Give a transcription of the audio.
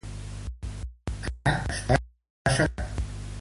Allí està sepultat.